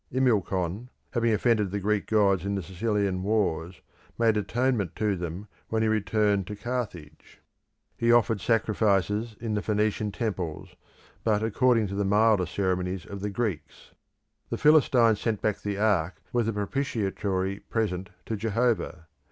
Imilkon, having offended the Greek gods in the Sicilian wars, made atonement to them when he returned to Carthage: he offered sacrifices in the Phoenician temples, but according to the milder ceremonies of the Greeks. The Philistines sent back the ark with a propitiatory present to Jehovah.